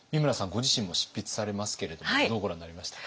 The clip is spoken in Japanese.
ご自身も執筆されますけれどもどうご覧になりましたか？